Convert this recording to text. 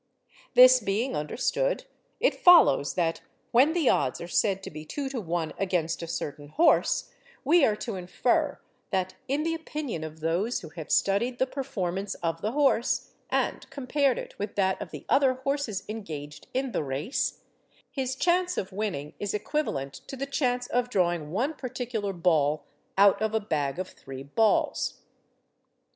This being understood, it follows that, when the odds are said to be 2 to 1 against a certain horse, we are to infer that, in the opinion of those who have studied the performance of the horse, and compared it with that of the other horses engaged in the race, his chance of winning is equivalent to the chance of drawing one particular ball out of a bag of three balls.